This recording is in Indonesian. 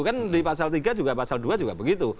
kan di pasal tiga juga pasal dua juga begitu